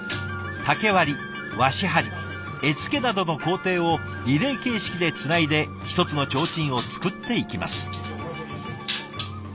竹割り和紙貼り絵付けなどの工程をリレー形式でつないで一つの提灯を作っていきます。